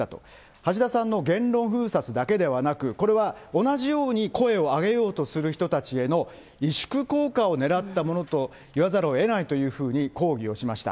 橋田さんの言論封殺だけでなく、これは同じように声を上げようとする人たちへの萎縮効果をねらったものと言わざるをえないというふうに抗議をしました。